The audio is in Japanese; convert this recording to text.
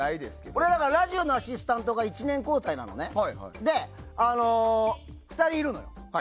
俺、ラジオのアシスタントが１年交代で２人いるのよ。